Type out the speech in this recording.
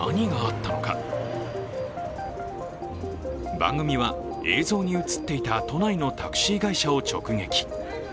番組は映像に映っていた都内のタクシー会社を直撃。